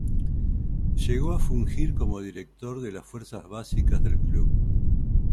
Llegó a fungir como director de las fuerzas básicas del Club.